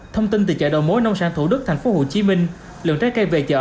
thông tin từ chợ đầu mối nông sản thủ đức thành phố hồ chí minh lượng trái cây về chợ